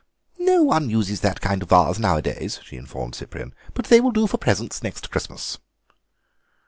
"No one uses that kind of vase nowadays," she informed Cyprian, "but they will do for presents next Christmas."